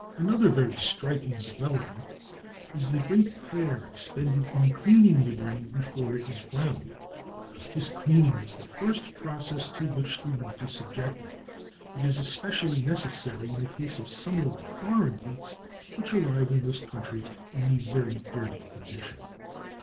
Another very striking development is the great care expended in cleaning the grain before it is ground. This cleaning is the first process to which the wheat is subjected. It is especially necessary in the case of some of the foreign wheats which arrive in this country in a very dirty condition.